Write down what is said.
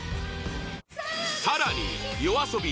更に、ＹＯＡＳＯＢＩ